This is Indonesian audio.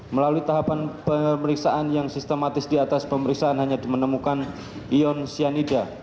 melalui tahapan pemeriksaan yang sistematis di atas pemeriksaan hanya dimenemukan ion cyanida